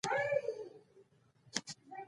د خپلوۍ اړیکې یې سره درلودې.